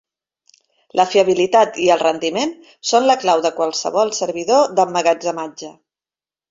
La fiabilitat i el rendiment són la clau de qualsevol servidor d'emmagatzematge.